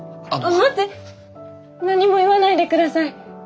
待って何も言わないで下さい。